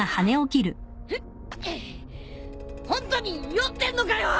フッホントに酔ってんのかよ！